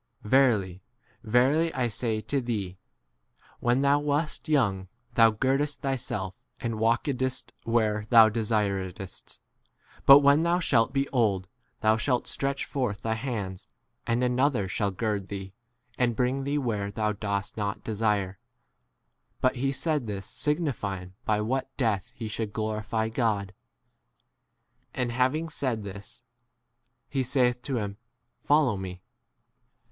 Verily, verily, I say to thee, When thou wast young thou girdedst thyself, and walkedst where thou desir edst; but when thou shalt be old, thou shalt stretch forth thy hands, and another shall gird thee, and bring thee where thou 19 dost not desire. But he said this signifying by what death he should glorify God. And having said this, he saith to him, Follow me.